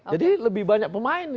jadi lebih banyak pemain